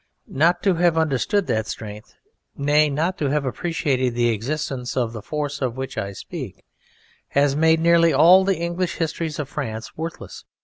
Not to have understood that strength, nay, not to have appreciated the existence of the force of which I speak, has made nearly all the English histories of France worthless.